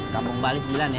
kampung bali sembilan ya